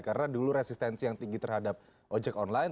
karena dulu resistensi yang tinggi terhadap ojek online